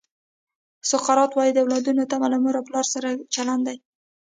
سقراط وایي د اولادونو تمه له مور او پلار سره چلند دی.